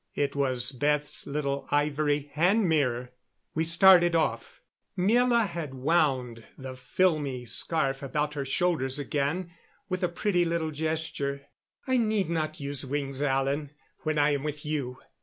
It was Beth's little ivory hand mirror! We started off. Miela had wound the filmy scarf about her shoulders again with a pretty little gesture. "I need not use wings, Alan, when I am with you.